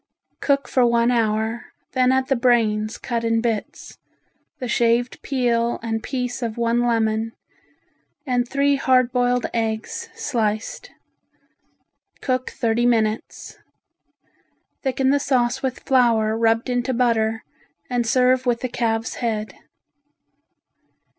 Cook for one hour, then add the brains cut in bits, the shaved peel and piece of one lemon and three hard boiled eggs sliced. Cook thirty minutes. Thicken the sauce with flour rubbed into butter and serve with the calves' head.